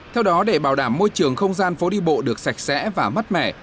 theo đó để bảo đảm môi trường không gian phố đi bộ được sạch sẽ và mắt mẻ